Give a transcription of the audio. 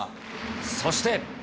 そして。